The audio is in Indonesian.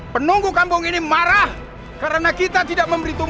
paman tidak ada pilihan lain